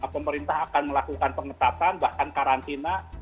pemerintah akan melakukan pengetatan bahkan karantina